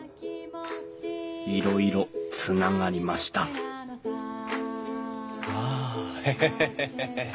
いろいろつながりましたあへへへへへ。